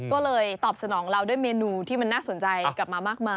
ก็เลยตอบสนองเราด้วยเมนูที่มันน่าสนใจกลับมามากมาย